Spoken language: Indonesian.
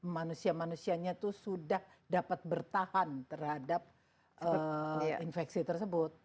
manusia manusianya itu sudah dapat bertahan terhadap infeksi tersebut